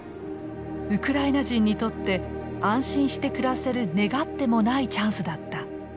ウクライナ人にとって安心して暮らせる願ってもないチャンスだった。